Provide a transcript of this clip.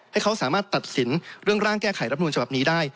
ให้เขาสามารถตัดสินเรื่องร่างแก้ไขรับนูลฉบับนี้ได้